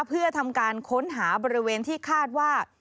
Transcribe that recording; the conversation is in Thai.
เพื่อทำการค้นหาบริเวณที่คาดว่า